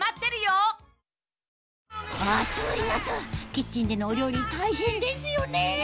キッチンでのお料理大変ですよね